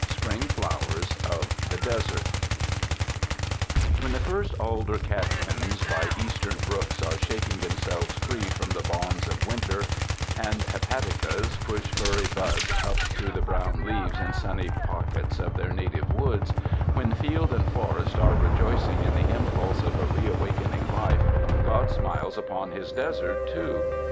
V. Spring Flowers of the Desert When the first alder catkins by Eastern brooks are shaking themselves free from the bonds of win ter, and hepaticas push furry buds up through the brown leaves in sunny pockets of their native woods, when field and forest are rejoicing in the impulse of a re awakening life, God smiles upon His desert, too.